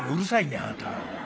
あなた。